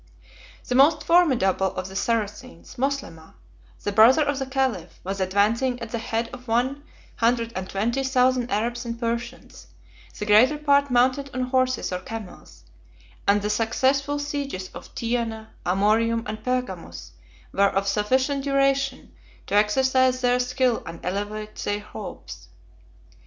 The most formidable of the Saracens, Moslemah, the brother of the caliph, was advancing at the head of one hundred and twenty thousand Arabs and Persians, the greater part mounted on horses or camels; and the successful sieges of Tyana, Amorium, and Pergamus, were of sufficient duration to exercise their skill and to elevate their hopes.